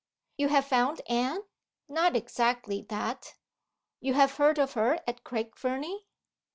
"You have found Anne?" "Not exactly that." "You have heard of her at Craig Fernie?"